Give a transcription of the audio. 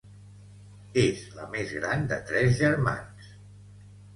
És la més gran de tres germans.